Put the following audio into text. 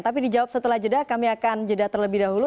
tapi dijawab setelah jeda kami akan jeda terlebih dahulu